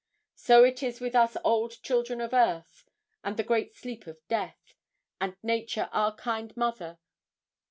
So it is with us old children of earth and the great sleep of death, and nature our kind mother.